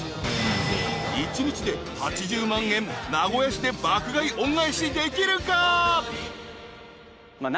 ［一日で８０万円名古屋市で爆買い恩返しできるか？］